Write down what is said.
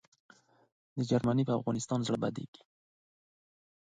جرمني د افغانستان سره خواخوږي لري.